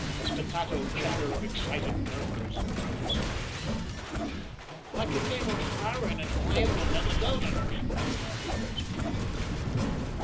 A staccato chatter of excited murmurs arose. "What became of Harran and Lyman and the Governor?" inquired Presley.